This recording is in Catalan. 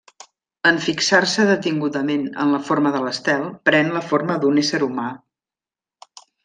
En fixar-se detingudament en la forma de l'estel, pren la forma d'un ésser humà.